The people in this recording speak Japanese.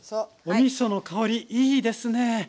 おみその香りいいですね。